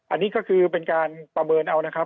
อันนี้ก็คือเป็นการประเมินเอานะครับ